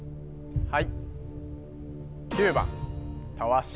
はい